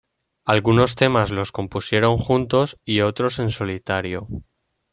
Algunos temas los compusieron juntos y otros en solitario.